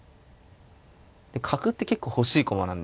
角って結構欲しい駒なんですよね。